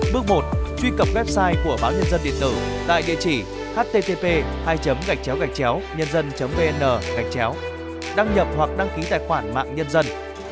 bước một truy cập website của báo nhân dân điện tử tại địa chỉ http nhân dân vn gachcheo đăng nhập hoặc đăng ký tài khoản mạng nhân dân